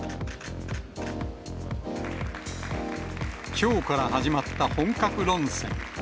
きょうから始まった本格論戦。